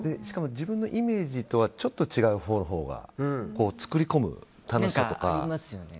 自分のイメージとはちょっと違うほうが作りこむ楽しさとか。